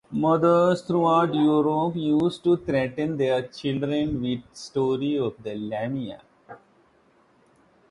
Mothers throughout Europe used to threaten their children with the story of Lamia.